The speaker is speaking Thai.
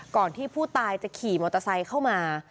ก่อนที่ผู้ตายจะขี่มอเตอร์ไซค์เข้ามา